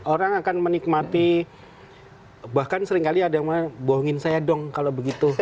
orang akan menikmati bahkan sering kali ada yang bilang bohongin saya dong kalau begitu